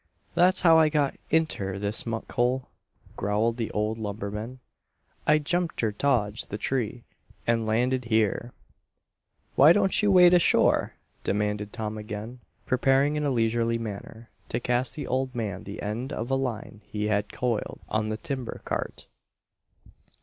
"That's how I got inter this muck hole," growled the old lumberman. "I jumped ter dodge the tree, and landed here." "Why don't you wade ashore?" demanded Tom again, preparing in a leisurely manner to cast the old man the end of a line he had coiled on the timber cart.